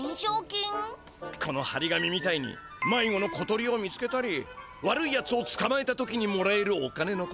このはり紙みたいに迷子の小鳥を見つけたり悪いやつをつかまえた時にもらえるお金のことだ。